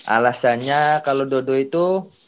alasannya kalau dodo itu